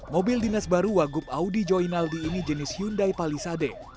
mobil dinas baru wagup audi joinaldi ini jenis hyundai palisade